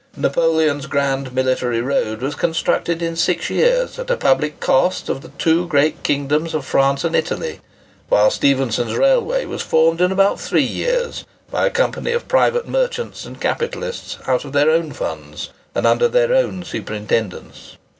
Napoleon's grand military road was constructed in six years, at the public cost of the two great kingdoms of France and Italy; while Stephenson's railway was formed in about three years, by a company of private merchants and capitalists out of their own funds, and under their own superintendence.